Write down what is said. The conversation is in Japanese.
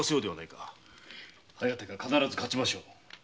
「疾風」が必ず勝ちましょう。